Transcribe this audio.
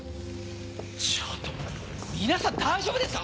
ちょっと皆さん大丈夫ですか？